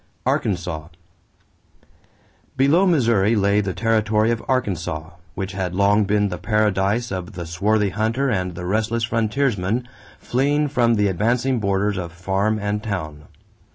=Arkansas.= Below Missouri lay the territory of Arkansas, which had long been the paradise of the swarthy hunter and the restless frontiersman fleeing from the advancing borders of farm and town.